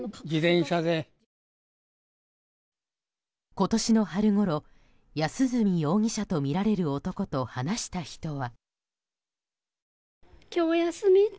今年の春ごろ、安栖容疑者とみられる男と話した人は。